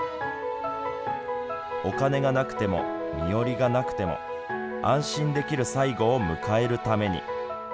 お金がなくても身寄りがなくても安心できる最期を迎えるために。